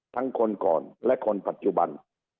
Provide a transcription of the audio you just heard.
คนก่อนและคนปัจจุบัน